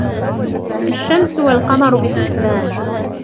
الشمس والقمر بحسبان